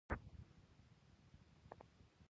خطر یې څو چنده زیات شوی دی